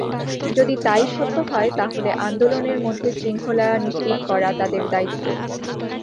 যদি তা-ই সত্য হয়, তাহলে আন্দোলনের মধ্যে শৃঙ্খলা নিশ্চিত করা তাদের দায়িত্ব।